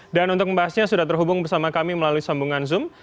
dan untuk membahasnya sudah terhubung bersama kami melalui sambungan zoom